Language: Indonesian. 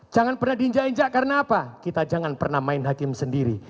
jangan pernah diinjak injak karena apa kita jangan pernah main hakim sendiri